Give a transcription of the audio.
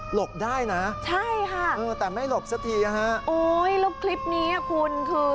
หลบได้นะแต่ไม่หลบสักทีนะฮะโอ้โฮแล้วคลิปนี้คุณคือ